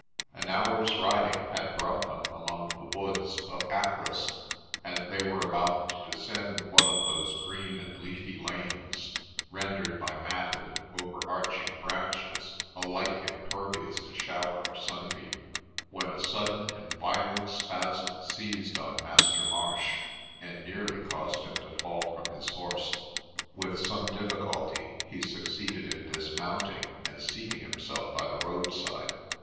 An hour's riding had brought them among the woods of Acryse ; and they were about to descend one of those green and leafy lanes, rendered by matted and over arching branches alike impervious to shower or sunbeam, when a sudden and violent spasm seized on Master Marsh, and nearly caused him to fall from his horse. With some difficulty he succeeded in dismounting, and seating himself by the road side.